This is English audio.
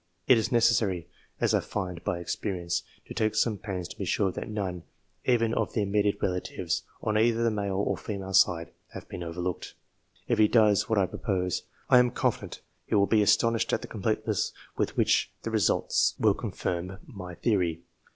It is necessary, as I find by experience, to take some pains to be sure that none, even of the immediate relatives, on either the male or female side, have been overlooked. If he does what I propose, I am confident he will be astonished at the completeness with which the results will confirm my theory.